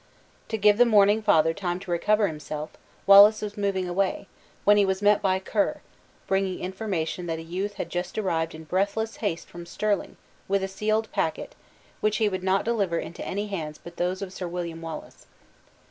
To give the mourning father time to recover himself, Wallace was moving away, when he was met by Ker, bringing information that a youth had just arrived in breathless haste from Stirling, with a sealed packet, which he would not deliver into any hands but those of Sir William Wallace.